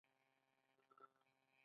د نجونو تعلیم د کار فرصتونه رامنځته کوي.